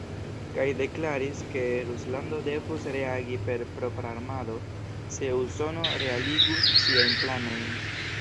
Kaj deklaris, ke Ruslando devus reagi per propra armado, se Usono realigus siajn planojn.